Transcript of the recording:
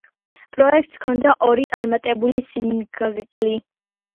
პროექტს ჰქონდა ორი წარმატებული სინგლი.